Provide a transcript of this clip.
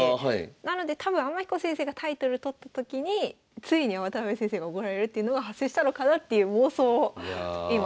なので多分天彦先生がタイトル取った時についに渡辺先生がおごられるっていうのが発生したのかなっていう妄想を今。